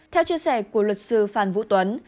theo chia sẻ của luật sư phan vũ tuấn